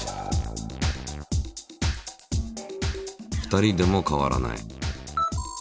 ２人でも変わらない。